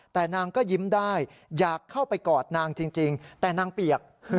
แต่นางก็ยิ้มได้อยากเข้าไปกอดนางจริงแต่นางเปียก